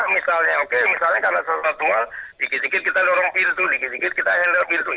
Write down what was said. misalnya karena sesuatu hal dikit dikit kita dorong pintu dikit dikit kita hendak pintu